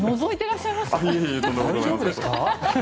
大丈夫ですか？